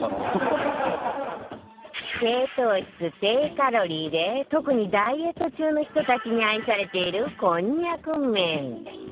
低糖質低カロリーで特にダイエット中の人たちに愛されているこんにゃく麺